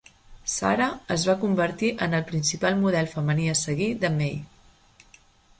Sarah es va convertir en el principal model femení a seguir de May.